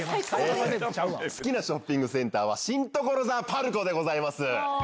好きなショッピングセンターは、新所沢ＰＡＲＣＯでございます。